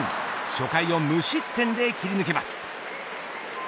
初回を無失点で切り抜けます。